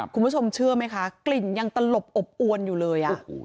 คุณผู้ชมเชื่อไหมคะกลิ่นยังตลบอบอวนอยู่เลย